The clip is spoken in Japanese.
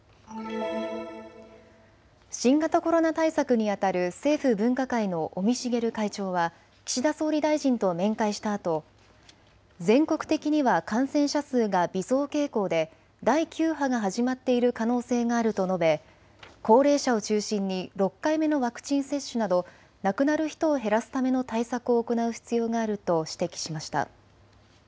新型コロナ対策にあたる政府分科会の尾身茂会長は岸田総理大臣と面会したあと全国的には感染者数が微増傾向で第９波が始まっている可能性があると述べ高齢者を中心に６回目のワクチン接種など亡くなる人を減らすための対策を行う必要があると指摘しました。